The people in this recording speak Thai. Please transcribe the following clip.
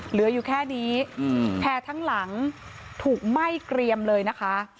เหลืออยู่แค่นี้แพร่ทั้งหลังถูกไหม้เกรียมเลยนะคะ